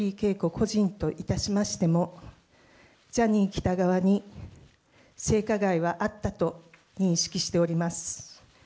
個人といたしましても、ジャニー喜多川に性加害はあったと認識しております。